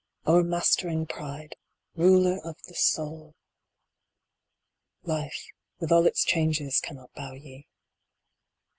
O ermastering Pride ! Ruler of the Soul ! Life, with all its changes, cannot bow ye.